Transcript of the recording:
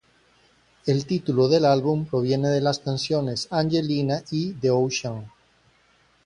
El título del álbum proviene de las canciones "Angelina" y "The Ocean".